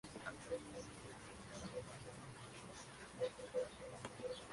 En principio se consideran polígonos simples que incluyen los convexos y cóncavos.